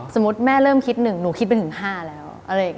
สมมุติแม่เริ่มคิดหนึ่งหนูคิดว่าเป็นถึง๕แล้ว